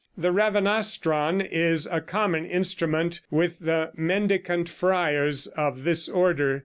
The ravanastron is a common instrument with the mendicant friars of this order.